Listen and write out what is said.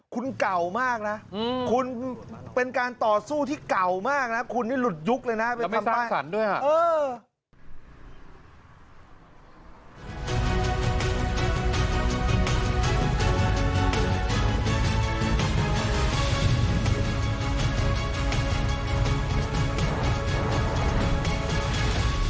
คุณเก่ามากนะคุณเป็นการต่อสู้ที่เก่ามากนะคุณนี่หลุดยุคเลยนะไปทำป้ายสรรด้วยอ่ะ